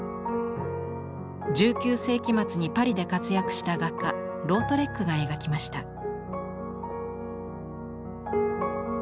１９世紀末にパリで活躍した画家ロートレックが描きました。